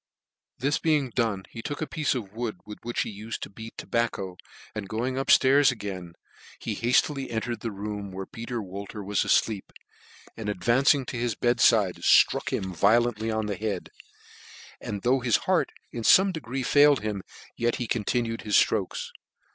This being done, he took a piece of wood with which they ufed to beat tobacco, and going up flairs again, he haflily entered the room where Peter Wolter was afleep, and advancing to ius G 2 bed 5 NEW NEWGATE CALENDAR. bed fide, ft ruck him violently on the head ; and though his heart in forne degree failed him, yet he continued his firokes.